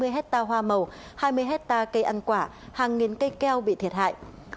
hai mươi hecta hoa màu hai mươi hecta cây ăn quả hàng nghìn cây keo bị thiệt hại